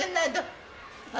あ。